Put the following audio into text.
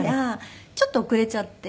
ちょっと遅れちゃって。